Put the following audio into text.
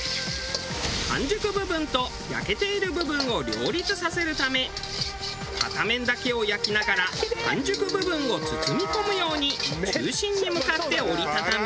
半熟部分と焼けている部分を両立させるため片面だけを焼きながら半熟部分を包み込むように中心に向かって折り畳み。